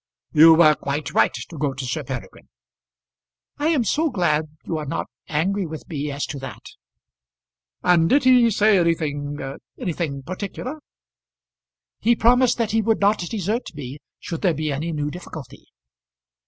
"You were quite right to go to Sir Peregrine." "I am so glad you are not angry with me as to that." "And did he say anything anything particular?" "He promised that he would not desert me, should there be any new difficulty."